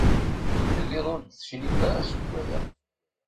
Telliḍ ur d-tecligeḍ ara seg waya.